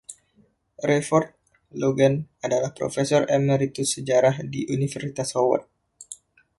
Rayford Logan adalah profesor emeritus sejarah di Universitas Howard.